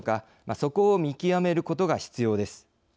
そこを見極めることが必要です。